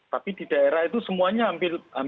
tapi di daerah itu semuanya hampir tidak terkontrol